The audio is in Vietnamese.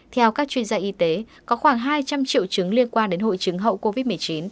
theo các chuyên gia y tế có khoảng hai trăm linh triệu chứng liên quan đến hội chứng hậu covid một mươi chín